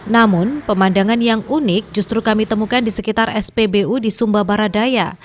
namun pemandangan yang unik justru kami temukan di sekitar spbu di sumba baradaya